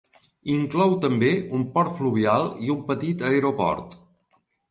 Inclou també un port fluvial i un petit aeroport.